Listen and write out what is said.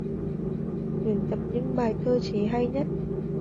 Tuyển tập những bài thơ chế hay nhất